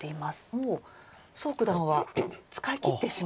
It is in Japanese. もう蘇九段は使いきってしまいましたね。